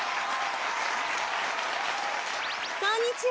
こんにちは。